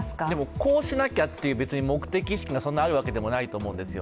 こうしなきゃという目的意識がそんなにあるわけではないと思うんですよ。